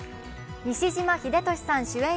西島秀俊さん主演